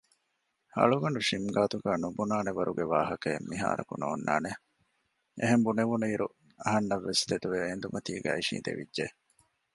އަޅުގަނޑު ޝިމް ގާތުގައި ނުުބުނާވަރުގެ ވާހަކައެއް މިހާރަކު ނޯންނާނެ އެހެން ބުނެވުނުއިރު އަހަންނަށްވެސް ތެދުވެ އެނދުމަތީގައި އިށީނދެވިއްޖެ